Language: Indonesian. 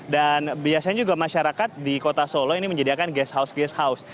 dan biasanya juga masyarakat di kota solo ini menjadikan guest house guest house